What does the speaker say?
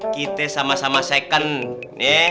kita sama sama second